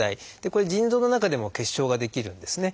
これ腎臓の中でも結晶が出来るんですね。